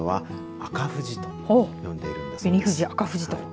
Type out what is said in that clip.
紅富士、赤富士と。